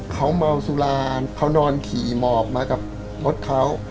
เขาเมาสุราเขานอนขี่หมอบมากับรถเขา